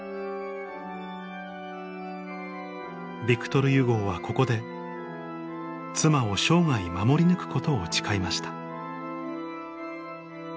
ヴィクトル・ユゴーはここで妻を生涯守り抜くことを誓いました